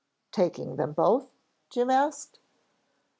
"Taking them both?" Jim asked.